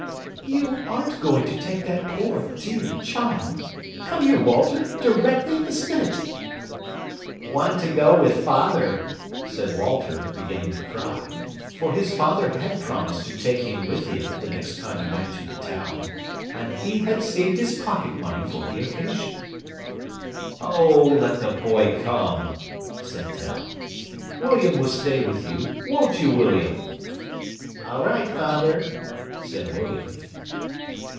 "You aren't going to take that poor dear child? Come here, Walter, directly minute!' "Want to go with father," said Walter, beginning to cry, for his father had promised to take him with him the next time he went to the town, and he had saved his pocket money for the occasion. "Oh, let the boy come," said Tell. "William will stay with you, won't you, William?" "All right, father," said William.